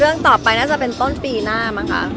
เรื่องต่อไปน่าจะเป็นต้นปีหน้ามั้งคะ